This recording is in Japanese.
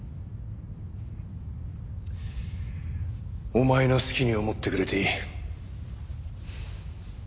お前の好きに思ってくれていい。